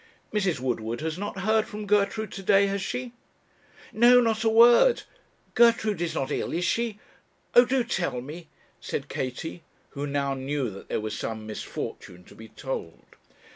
'Mrs. Woodward has not heard from Gertrude to day, has she?' 'No not a word Gertrude is not ill, is she? Oh, do tell me,' said Katie, who now knew that there was some misfortune to be told.